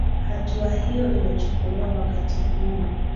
hatua hiyo imechukuliwa wakati huu